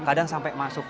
kadang sampai masuk